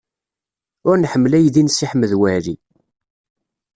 Ur nḥemmel aydi n Si Ḥmed Waɛli.